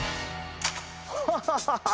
ハハハハハ！